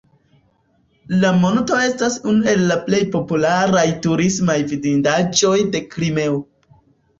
La monto estas unu el la plej popularaj turismaj vidindaĵoj de Krimeo.